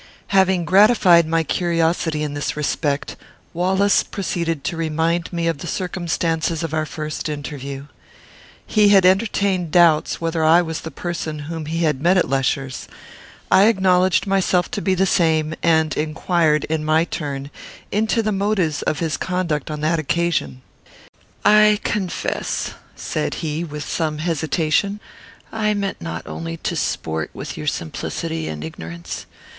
Having gratified my curiosity in this respect, Wallace proceeded to remind me of the circumstances of our first interview. He had entertained doubts whether I was the person whom he had met at Lesher's. I acknowledged myself to be the same, and inquired, in my turn, into the motives of his conduct on that occasion. "I confess," said he, with some hesitation, "I meant only to sport with your simplicity and ignorance.